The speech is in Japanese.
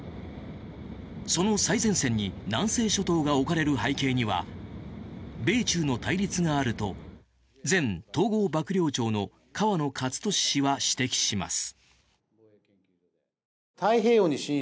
その最前線に南西諸島が置かれる背景には米中の対立があると前統合幕僚長の河野克俊氏は指摘します。